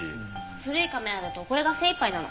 古いカメラだとこれが精いっぱいなの。